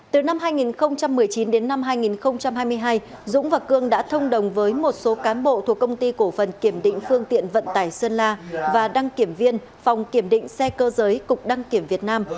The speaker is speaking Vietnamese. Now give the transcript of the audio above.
từ năm hai nghìn một mươi chín đến năm hai nghìn hai mươi hai dũng và cương đã thông đồng với một số cán bộ thuộc công ty cổ phần kiểm định phương tiện vận tải sơn la và đăng kiểm viên phòng kiểm định xe cơ giới cục đăng kiểm việt nam